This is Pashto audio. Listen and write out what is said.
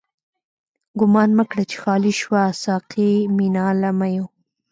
ګومان مه کړه چی خالی شوه، ساقی مينا له ميو